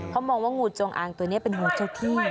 เขามองว่างูจงอางตัวนี้เป็นงูเจ้าที่